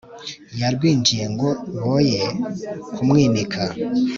yarwinjiye ngo boye kumwimika